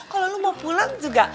kalo lu mau pulang juga